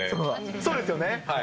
そうですよね。